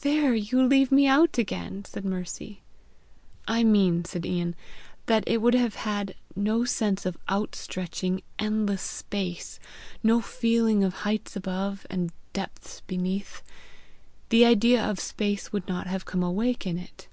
"There you leave me out again!" said Mercy. "I mean," said Ian, "that it would have had no sense of outstretching, endless space, no feeling of heights above, and depths beneath. The idea of space would not have come awake in it."